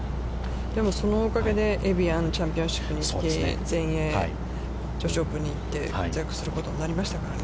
そのおかげでエビアン・チャンピオンシップに行って、全英女子オープンに行って、活躍することになりましたからね。